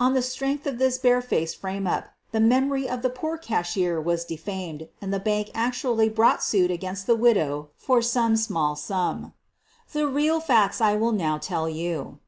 On the strength of this barefaced frame up the memory of the poor cashier was defamed and the bank actually brought suit against the widow for some small sum. The real facts I will now tell you.